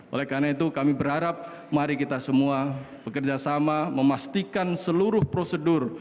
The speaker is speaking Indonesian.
oleh karena itu kami berharap mari kita semua bekerja sama memastikan seluruh prosedur